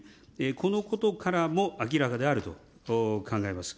このことからも明らかであると考えます。